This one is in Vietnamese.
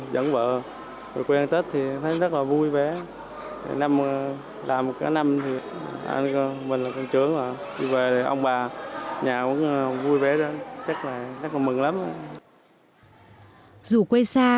dù quê xa